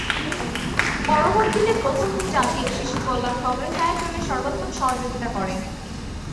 পরবর্তীতে প্রথম জাতীয় শিশু কল্যাণ কংগ্রেস আয়োজনে সর্বাত্মক সহযোগিতা করেন।